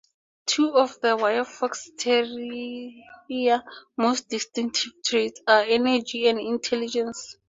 Two of the wire fox terrier's most distinctive traits are its energy and intelligence.